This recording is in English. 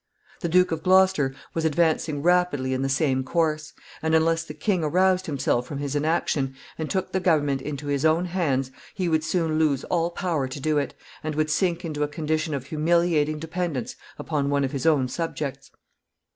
The Duke of Gloucester was advancing rapidly in the same course; and, unless the king aroused himself from his inaction, and took the government into his own hands, he would soon lose all power to do it, and would sink into a condition of humiliating dependence upon one of his own subjects. [Sidenote: The example of ancestors.